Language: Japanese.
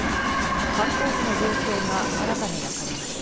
犯行時の状況が新たに分かりました。